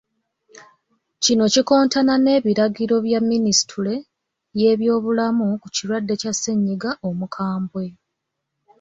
Kino kikontana n’ebiragiro bya Minisitule y’ebyobulamu ku kirwadde kya ssennyiga omukambwe.